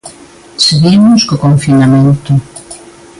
Seguimos co confinamento.